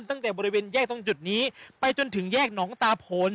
ตั้งแต่บริเวณแยกตรงจุดนี้ไปจนถึงแยกหนองตาโผล